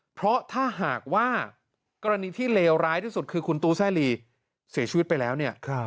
เพราะถ้าหากว่ากรณีที่เลวร้ายที่สุดคือคุณตูแซ่ลีเสียชีวิตไปแล้วเนี่ย